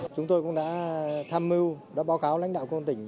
chúng tôi cũng đã tham mưu đã báo cáo lãnh đạo công an tỉnh